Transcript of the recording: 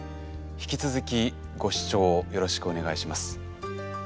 引き続きご視聴をよろしくお願いします。